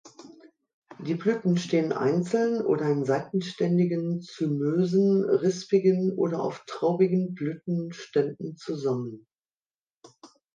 Die Blüten stehen einzeln oder in seitenständigen, zymösen, rispigen oder oft traubigen Blütenstände zusammen.